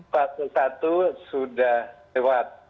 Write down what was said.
fase satu sudah lewat